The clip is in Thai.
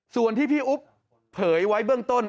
ส่วนที่พี่อุ๊บเผยไว้เบื้องต้น